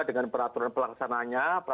dengan peraturan pelaksananya